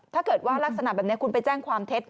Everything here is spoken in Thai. ถ้าเกิดว่ารักษณะแบบนี้คุณไปแจ้งความเท็จ